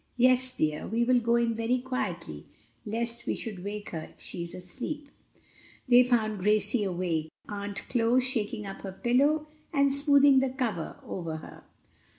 "Yes, dear; we will go in very quietly lest we should wake her if she is asleep." They found Gracie awake, Aunt Chloe shaking up her pillow and smoothing the cover over her.